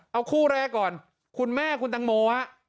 เอาคู่แรกก่อนคุณแม่คุณตังโมฮะ